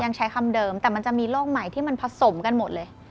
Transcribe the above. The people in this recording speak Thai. ยังใช้คำเดิมแต่มันจะมีโรคใหม่ที่มันผสมกันหมดเลย